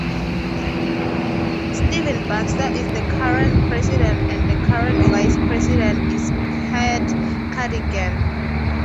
Stephen Baxter is the current President and the current Vice-President is Pat Cadigan.